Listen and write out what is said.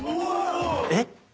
えっ？